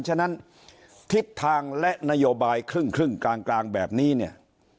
ฉะนั้นทิศทางและนโยบายครึ่งกลางแบบนี้เนี่ย